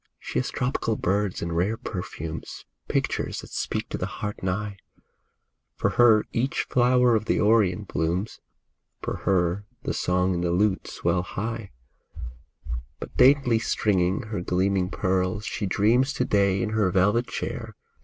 She has tropical birds and rare perfumes ; Pictures that speak to the heart and eye ; For her each flower of the Orient blooms, — For her the song and the lute swell high ; But daintily stringing her gleaming pearls She dreams to day in her velvet chair.